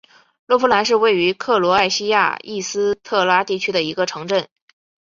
洛夫兰是位于克罗埃西亚伊斯特拉地区的一个城镇。